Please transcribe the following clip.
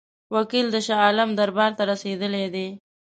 وکیل د شاه عالم دربار ته رسېدلی دی.